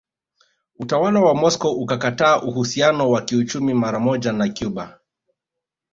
Utawala wa Moscow ukakata uhusiano wa kiuchumi maramoja na Cuba